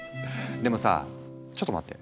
でもさちょっと待って。